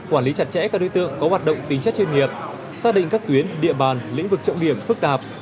quản lý chặt chẽ các đối tượng có hoạt động tính chất chuyên nghiệp xác định các tuyến địa bàn lĩnh vực trọng điểm phức tạp